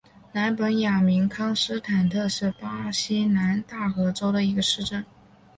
南本雅明康斯坦特是巴西南大河州的一个市镇。